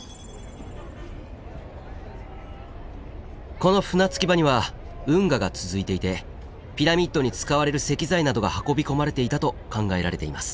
この船着き場には運河が続いていてピラミッドに使われる石材などが運び込まれていたと考えられています。